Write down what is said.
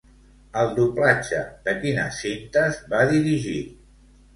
El doblatge de quines cintes va dirigir?